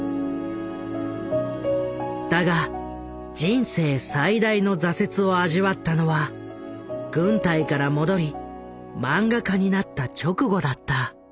だが人生最大の挫折を味わったのは軍隊から戻りマンガ家になった直後だった。